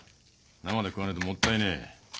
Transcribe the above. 生で食わねえともったいねえ。